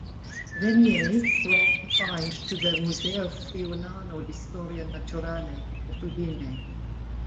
Venier brought the find to the "Museo Friulano di Storia Naturale" at Udine.